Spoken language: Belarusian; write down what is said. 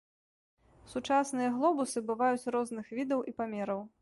Сучасныя глобусы бываюць розных відаў і памераў.